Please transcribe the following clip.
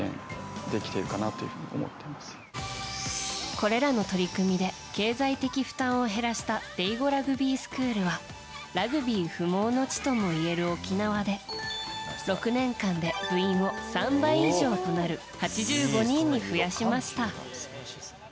これらの取り組みで経済的負担を減らしたデイゴラグビースクールはラグビー不毛の地ともいえる沖縄で６年間で部員を、３倍以上となる８５人に増やしました。